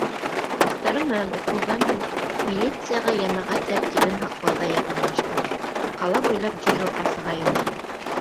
Дуҫтарым менән уҡыуҙан һуң милицияға йәмәғәт тәртибен һаҡлауҙа ярҙамлаштыҡ: ҡала буйлап дежурға сыға инек.